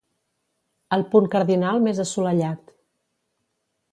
El punt cardinal més assolellat.